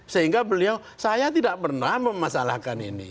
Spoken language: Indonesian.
sehingga beliau saya tidak pernah memasalahkan ini